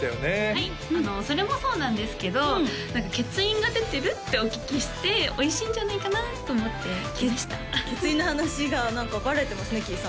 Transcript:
はいそれもそうなんですけど欠員が出てるってお聞きしておいしいんじゃないかなと思って来ました欠員の話が何かバレてますねキイ